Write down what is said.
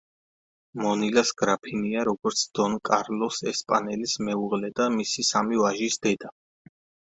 მონილას გრაფინია როგორც დონ კარლოს ესპანელის მეუღლე და მისი სამი ვაჟის დედა.